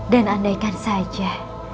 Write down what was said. dan andaikan saja